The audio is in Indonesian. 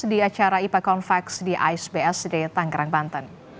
di acara ipa convex di ais bsd tanggerang banten